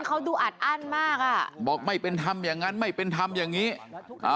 เขาดูอัดอั้นมากอ่ะบอกไม่เป็นธรรมอย่างงั้นไม่เป็นธรรมอย่างงี้อ่า